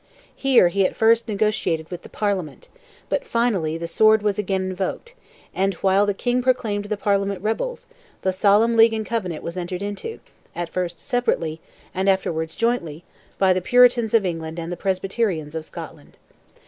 Here he at first negotiated with the Parliament, but finally the sword was again invoked, and while the King proclaimed the Parliament rebels, "the solemn league and covenant" was entered into, at first separately, and afterwards jointly, by the Puritans of England and Presbyterians of Scotland.